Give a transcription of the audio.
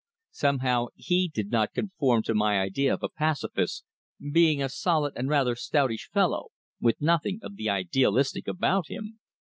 Somehow he did not conform to my idea of a pacifist, being a solid and rather stoutish fellow, with nothing of the idealist about him.